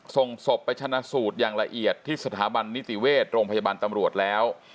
ส่งศพไปชนะสูตรอย่างละเอียดที่สถาบันนิติเวชโรงพยาบาลตำรวจแล้ว